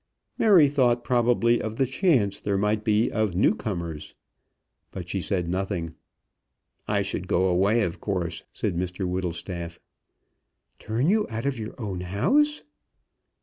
Mary thought probably of the chance there might be of newcomers, but she said nothing. "I should go away, of course," said Mr Whittlestaff. "Turn you out of your own house!"